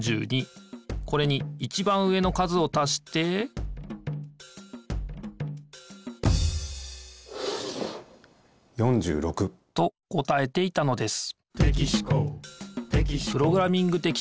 これにいちばん上の数をたして４６。と答えていたのです